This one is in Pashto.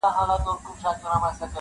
را لېږلي یاره دا خلګ خزان دي -